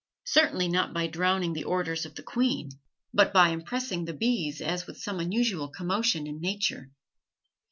Certainly not by drowning the "orders" of the queen, but by impressing the bees as with some unusual commotion in nature.